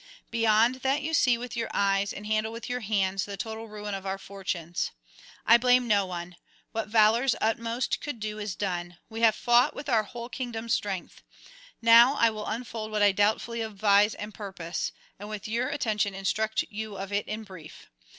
Beyond that you see with your eyes and handle with your hands the total ruin of our fortunes. I blame no one; what valour's utmost could do is done; we have fought with our whole kingdom's strength. Now I will unfold what I doubtfully advise and purpose, and with your attention instruct you of it in brief.